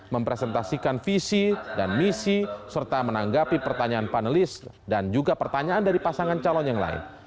mempresentasikan visi dan misi serta menanggapi pertanyaan panelis dan juga pertanyaan dari pasangan calon yang lain